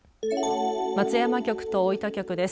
松山局と大分局です。